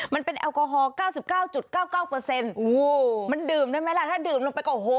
แอลกอฮอล๙๙๙๙๙มันดื่มได้ไหมล่ะถ้าดื่มลงไปก็โอ้โห